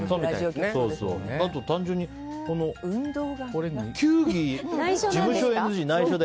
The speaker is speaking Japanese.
単純に球技事務所ＮＧは内緒で。